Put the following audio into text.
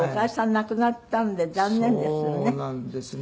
亡くなったんで残念ですね。